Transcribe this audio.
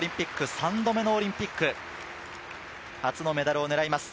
３度目のオリンピック、初のメダルを狙います。